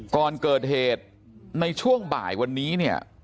ก่อนเกิดเหตุในช่วงบ่ายวันนี้เนี่ย